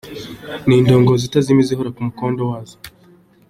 Ni indongozi itazimiza Ihora ku mukondo wazo!.